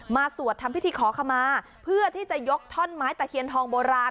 สวดทำพิธีขอขมาเพื่อที่จะยกท่อนไม้ตะเคียนทองโบราณ